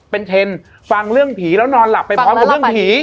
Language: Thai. เป็นเทรนด์ฟังเรื่องผีแล้วนอนหลับไปพร้อมกับเรื่องผี